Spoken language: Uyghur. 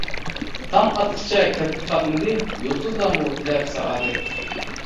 تاڭ ئاتقىچە كىرپىك قاقمىدى، يۇلتۇزلارمۇ تىلەپ سائادەت.